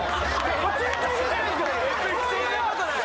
・そんなことない！